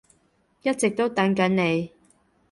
一直都等緊你